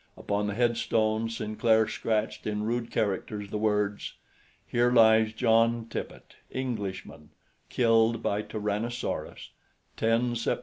Upon the headstone Sinclair scratched in rude characters the words: HERE LIES JOHN TIPPET ENGLISHMAN KILLED BY TYRANNOSAURUS 10 SEPT.